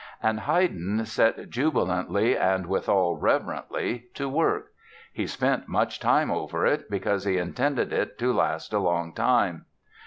And Haydn set jubilantly and, withal, reverently to work. He "spent much time over it, because he intended it to last a long time."